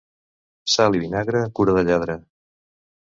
Sal i vinagre, cura de lladre.